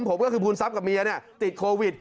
ผมก็คือภูมิทรัพย์กับเมียติดโควิด